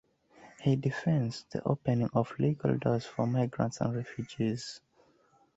He defends the opening of legal doors for migrants and refugees.